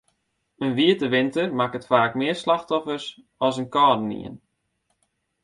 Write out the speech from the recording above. In wiete winter makket faak mear slachtoffers as in kâldenien.